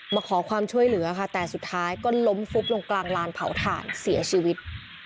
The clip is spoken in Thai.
มาขอความช่วยเหลือค่ะแต่สุดท้ายก็ล้มฟุบลงกลางลานเผาถ่านเสียชีวิต